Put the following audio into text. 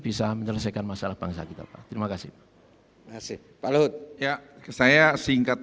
bisa menyelesaikan masalah bangsa kita pak terima kasih pak luhut ya saya singkat